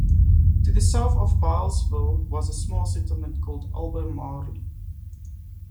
To the south of Bilesville was a small settlement called Albemarle.